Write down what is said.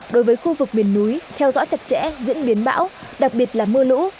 đối với khu vực miền núi theo dõi chặt chẽ diễn biến bão đặc biệt là mưa lũ